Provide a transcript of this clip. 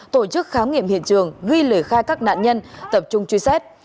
tổ chức khám nghiệm hiện trường ghi lời khai các nạn nhân tập trung truy xét